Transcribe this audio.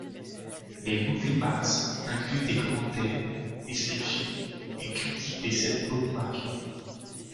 Les MovieMarks incluent des commentaires, descriptions et critiques des scènes bookmarquées.